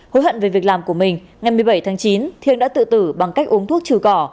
hối hận về việc làm của mình ngày một mươi bảy tháng chín thiêng đã tự tử bằng cách uống thuốc trừ cỏ